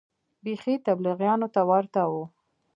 بيخي تبليغيانو ته ورته و.